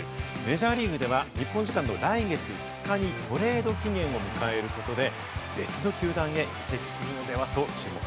メジャーリーグでは、日本時間の来月２日にトレード期限を迎えることで別の球団へ移籍するのでは？